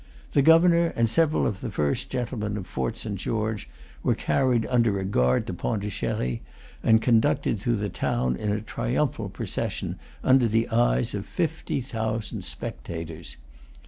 The Governor and several of the first gentlemen of Fort St. George were carried under a guard to Pondicherry, and conducted through the town in a triumphal procession under the eyes of fifty thousand spectators.